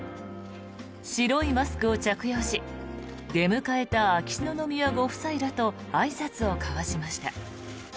白いマスクを着用し出迎えた秋篠宮ご夫妻らとあいさつを交わしました。